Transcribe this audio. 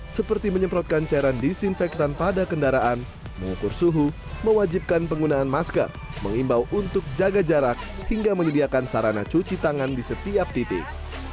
seperti menyemprotkan cairan disinfektan pada kendaraan mengukur suhu mewajibkan penggunaan masker mengimbau untuk jaga jarak hingga menyediakan sarana cuci tangan di setiap titik